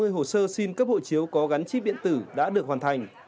năm mươi hồ sơ xin cấp hộ chiếu có gắn chip điện tử đã được hoàn thành